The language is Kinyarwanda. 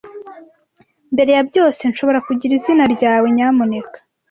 Mbere ya byose, nshobora kugira izina ryawe, nyamuneka?